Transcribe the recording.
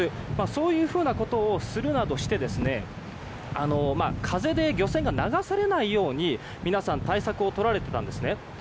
そういうふうなことをするなどして風で漁船が流されないように皆さん対策をとられていたんですね。